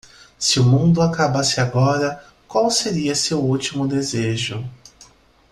se o mundo acaba-se agora qual seria o seu ultimo desejo